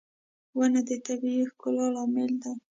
• ونه د طبيعي ښکلا لامل دی.